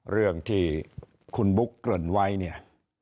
เรื่องที่คุณบุ๊กเกริ่นไว้เนี่ย